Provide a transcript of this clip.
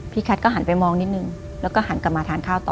แคทก็หันไปมองนิดนึงแล้วก็หันกลับมาทานข้าวต่อ